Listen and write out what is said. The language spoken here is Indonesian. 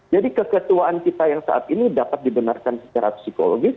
jadi keketuaan kita yang saat ini dapat dibenarkan secara psikologis